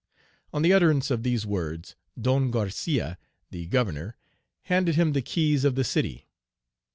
On the utterance of these words, Don Garcia, the governor, handed him the keys of the city.